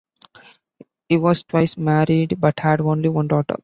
He was twice married, but had only one daughter.